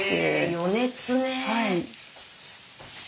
余熱ね。